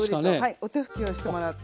お手拭きをしてもらって。